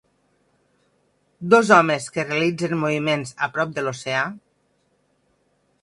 Dos homes que realitzen moviments a prop de l'oceà